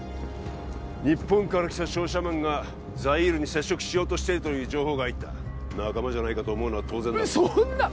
日本から来た商社マンがザイールに接触しようとしているという情報が入った仲間じゃないかと思うのは当然だろそんな！